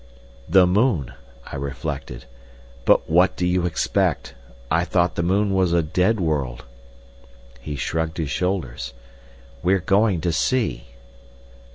"The moon," I reflected. "But what do you expect? I thought the moon was a dead world." He shrugged his shoulders. "We're going to see."